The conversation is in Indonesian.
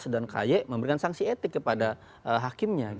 sedangkan kayak memberikan sanksi etik kepada hakimnya